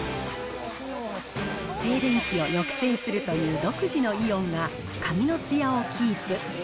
静電気を抑制するという独自のイオンが、髪のつやをキープ。